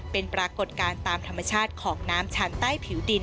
เป็นปรากฏการณ์ตามธรรมชาติของน้ำชันใต้ผิวดิน